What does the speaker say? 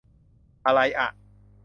อะไรอ่ะ